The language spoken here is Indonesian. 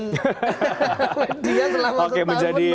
lendia selama setahun lalu oke menjadi